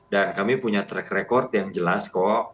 dan kami punya track record yang jelas kok